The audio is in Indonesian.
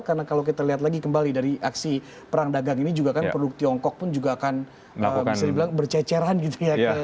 karena kalau kita lihat lagi kembali dari aksi perang dagang ini juga kan produk tiongkok pun juga akan bisa dibilang berceceran gitu ya